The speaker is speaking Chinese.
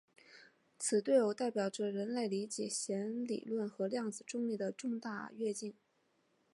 此对偶代表着人类理解弦理论和量子重力的重大跃进。